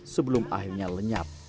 sebelum akhirnya lenyap